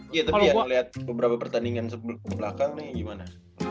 iya tapi ya liat beberapa pertandingan sebelah ke belakang nih gimana